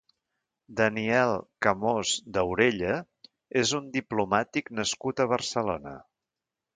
Daniel Camós Daurella és un diplomàtic nascut a Barcelona.